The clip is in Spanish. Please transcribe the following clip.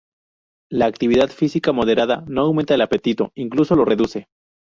La actividad física moderada no aumenta el apetito, incluso lo reduce.